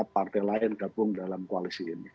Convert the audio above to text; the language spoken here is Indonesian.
partai lain gabung dalam koalisi ini